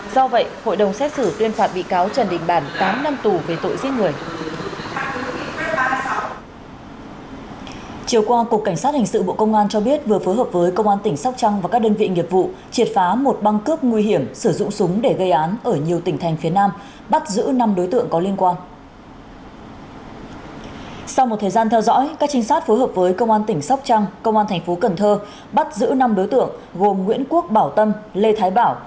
do vậy hội đồng xét xử tuyên phạt bị cáo trần đình bản tám năm tù về tội giết người